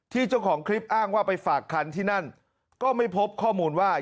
เจ้าของคลิปอ้างว่าไปฝากคันที่นั่นก็ไม่พบข้อมูลว่า